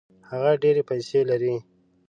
هغه ډېري پیسې لري.